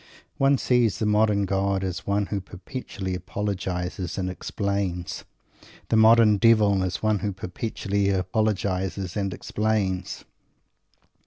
One sees the modern god as one who perpetually apologises and explains; and the modern devil as one who perpetually apologises and explains.